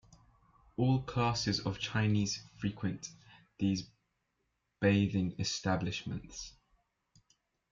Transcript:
All classes of Chinese frequent these bathing establishments.